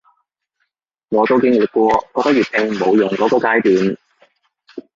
我都經歷過覺得粵拼冇用箇個階段